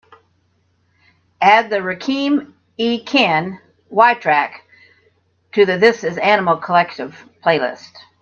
Add the Rakim y Ken Y track to the This Is Animal Collective playlist.